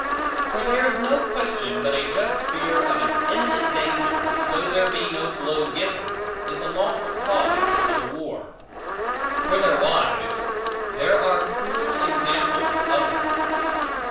For there is no question, but a just fear of an imminent danger, though there be no blow given, is a lawful cause of a war. For their wives; there are cruel examples of them.